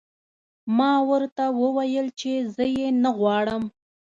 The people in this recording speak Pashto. ما ورته وویل چې زه یې نه غواړم